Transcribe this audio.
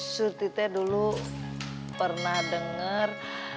sudah dulu pernah dengar